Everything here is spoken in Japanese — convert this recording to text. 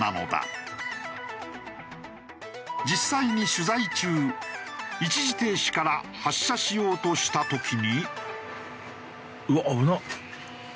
実際に取材中一時停止から発車しようとした時に。